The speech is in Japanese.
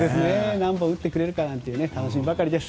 何本打ってくれるかと楽しみばかりです。